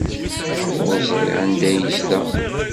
Ur ẓriɣ anda ay yezdeɣ.